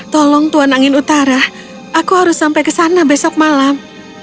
tolong tuan angin utara aku harus sampai ke sana besok malam